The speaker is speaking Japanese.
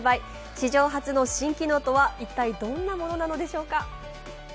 史上初の新機能とは一体どんなものなのでしょうか？